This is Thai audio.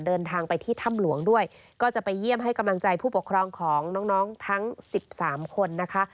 เดินทางไปที่ถ้ำหลวงด้วยก็จะไปเยี่ยมให้กำลังใจผู้ปกครองของน้องทั้ง๑๓คนนะคะ